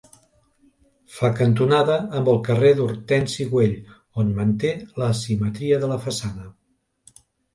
Fa cantonada amb el carrer d'Hortensi Güell, on manté la simetria de la façana.